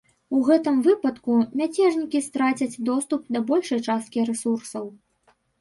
У гэтым выпадку мяцежнікі страцяць доступ да большай часткі рэсурсаў.